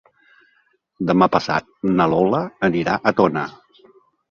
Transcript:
Demà passat na Lola anirà a Tona.